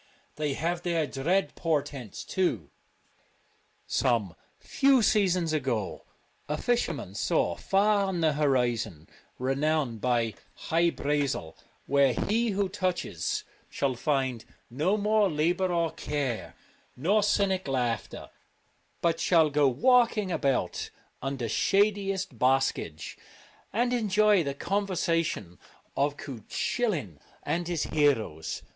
They have their dread portents too. Some few seasons ago a fisherman saw, i55 The far on the horizon, renowned Hy Brazel, Celtic Twilight, where he who touches shall find no more labour or care, nor cynic laughter, but shall go walking about under shadiest boscage, and enjoy the conversation of Cuchullin and his heroes.